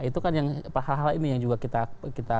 itu kan hal hal ini yang kita